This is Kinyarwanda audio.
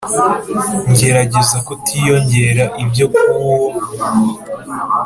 ngerageza kutiyongera ibyokuuwo muntu